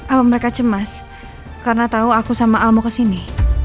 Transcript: apa mereka cemas karena tahu aku sama al mau ke sini